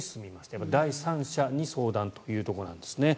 やっぱり第三者に相談というところなんですね。